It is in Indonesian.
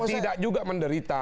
tidak juga menderita